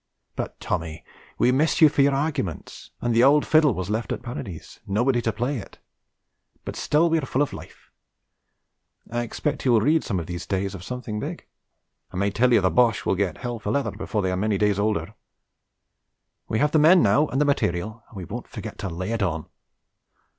But Tommy we miss you for your arguments, and the old fiddle was left at Parides, nobody to play it; but still we are full of life. I expect you will read some of these days of something big. I may tell you the Boches will get hell for leather before they are many days older. We have the men now and the material and we won't forget to lay it on.